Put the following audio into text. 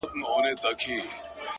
ددې ښايستې نړۍ بدرنگه خلگ!